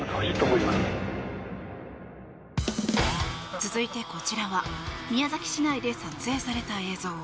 続いて、こちらは宮崎市内で撮影された映像。